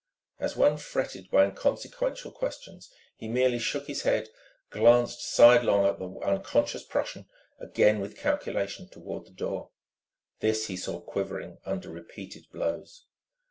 As one fretted by inconsequential questions, he merely shook his head, glancing sidelong once at the unconscious Prussian, again with calculation toward the door. This he saw quivering under repeated blows.